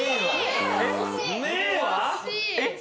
えっ？